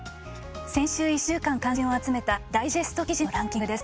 先週１週間関心を集めたダイジェスト記事のランキングです。